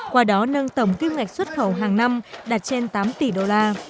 qua đó nâng tổng kim ngạch xuất khẩu hàng năm đạt trên tám tỷ đô la